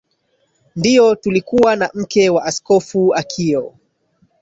ndio tulikuwa na mke wa askofu akio